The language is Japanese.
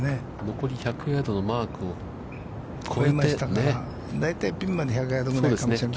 残り１００ヤードのマークを越えました。